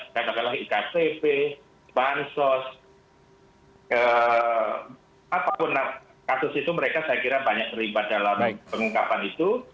karena itulah iktp bansos apapun kasus itu mereka saya kira banyak terlibat dalam pengungkapan itu